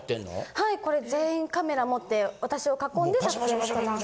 はいこれ全員カメラ持って私を囲んで撮影してます。